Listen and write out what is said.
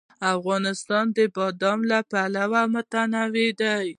افغانستان د بادام له پلوه متنوع دی.